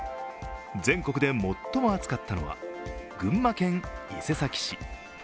全国で最も暑かったのは群馬県伊勢崎市。